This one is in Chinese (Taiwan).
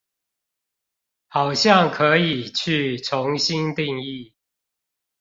好像可以去重新定義